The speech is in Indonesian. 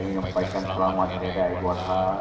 semoga berjaya semua semoga berjaya semua